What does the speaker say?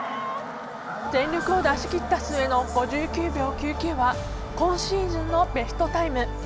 全力を出し切った末の５９秒９９は今シーズンのベストタイム。